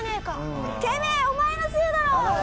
てめえお前のせいだろ！